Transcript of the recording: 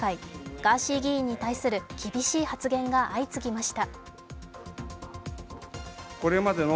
ガーシー議員に対する厳しい発言が相次ぎました。